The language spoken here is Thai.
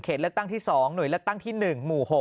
เลือกตั้งที่๒หน่วยเลือกตั้งที่๑หมู่๖